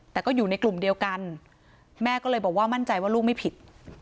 แต่ก็อยู่ในกลุ่มเดียวกันแม่ก็เลยบอกว่ามั่นใจว่าลูกไม่ผิด